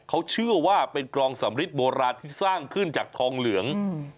เขาเชื่อว่าเป็นกรองสำริดโบราณที่สร้างขึ้นจากทองเหลือง